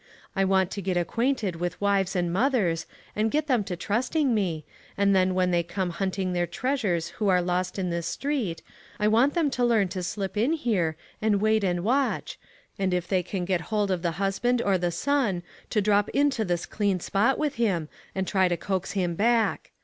I want to get acquainted with wives and mothers, and get them to trusting me, and then when they come hunting their treasures who are lost in this street, I want them to learn to slip in here and wait and watch, and if they can get hold of the husband or the son, to drop into this clean fepot with him, and try to coax him back.